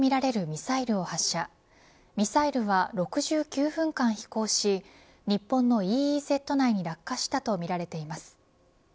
ミサイルは６９分間飛行し日本のＥＥＺ内に落下したとみられています。